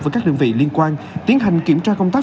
với các đơn vị liên quan tiến hành kiểm tra công tác